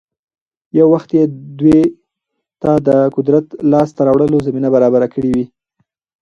يـو وخـت يـې دوي تـه د قـدرت لاس تـه راوړلـو زمـينـه بـرابـره کـړي وي.